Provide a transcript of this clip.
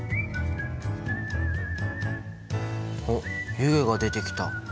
あっ湯気が出てきた。